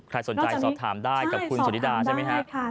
ใครสนใจสอบถามได้กับคุณสุธิดาใช่ไหมครับ